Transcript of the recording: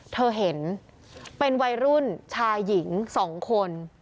เธอเห็นเป็นวัยรุ่นชายหญิง๒คน